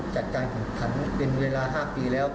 จัดการแข่งขันเป็นเวลา๕ปีแล้ว